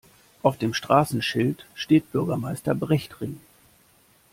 Auf dem Straßenschild steht Bürgermeister-Brecht-Ring.